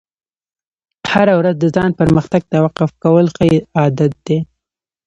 هره ورځ د ځان پرمختګ ته وقف کول ښه عادت دی.